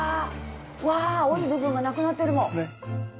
わあ青い部分がなくなってるもん。